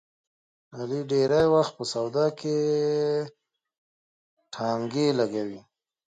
علي ډېری وخت په سودا کې ټانګې لګوي.